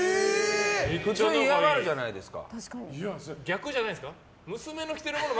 普通嫌がるじゃないですか。